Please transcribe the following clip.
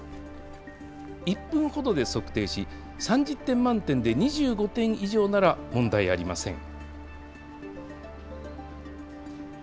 １分ほどで測定し、３０点満点で２５点以上なら問題ありません。